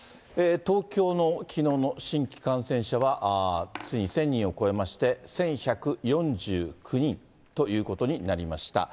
東京のきのうの新規感染者は、ついに１０００人を超えまして、１１４９人ということになりました。